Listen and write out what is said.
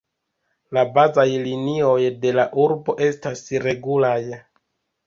La bazaj linioj de la urbo estas regulaj.